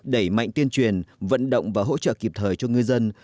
đẩy mạnh tuyên truyền vận động và hỗ trợ kịp thời cho ngư dân